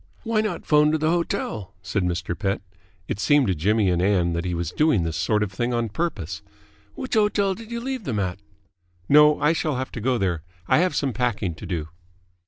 "Why not phone to the hotel?" said Mr. Pett. It seemed to Jimmy and Ann that he was doing this sort of thing on purpose. "Which hotel did you leave them at?" "No, I shall have to go there. I have some packing to do."